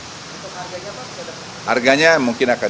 harganya mungkin akan